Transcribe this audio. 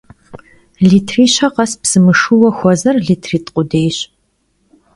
Litri şe khes psı mışşıuue xuezer litri t'u khudêyş.